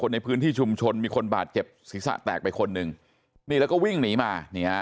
ในพื้นที่ชุมชนมีคนบาดเจ็บศีรษะแตกไปคนหนึ่งนี่แล้วก็วิ่งหนีมานี่ฮะ